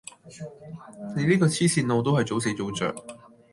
你呢個黐線佬都係早死早著